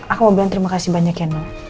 aku mau bilang terima kasih banyak ya na